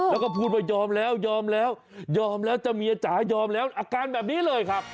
แล้วก็พูดว่ายอมแล้วยอมแล้วยอมแล้วจะเมียจ๋ายอมแล้วอาการแบบนี้เลยครับ